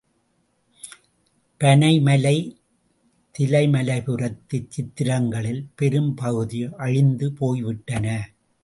பனைமலை திலைமலைபுரத்துச் சித்திரங்களில் பெரும் பகுதி அழிந்து போய்விட்டன.